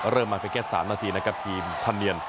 เริ่มมาเพียงแค่๓นาทีนะครับทีมพันเนียน